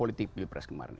itu biasa saja